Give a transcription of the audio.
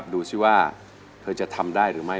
ดูสิว่าเธอจะทำได้หรือไม่